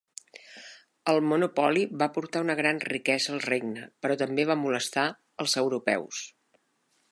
El monopoli va portar una gran riquesa al regne, però també va molestar als europeus.